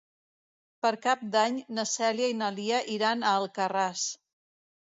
Per Cap d'Any na Cèlia i na Lia iran a Alcarràs.